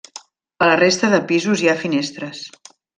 A la resta de pisos hi ha finestres.